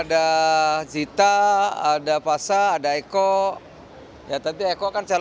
tapi tadi ada disini tiga tiganya ngomongin juga gak nih pas ops ada